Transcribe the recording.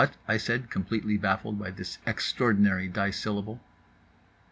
I said, completely baffled by this extraordinary dissyllable.